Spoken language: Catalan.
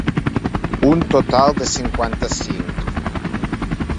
Un total de cinquanta-cinc.